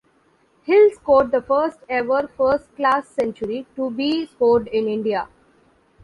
Hill scored the first-ever first-class century to be scored in India.